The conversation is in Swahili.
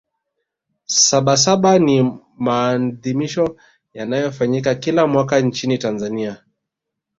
sabasaba ni maadhimisho yanayofanyika kila mwaka nchini tanzania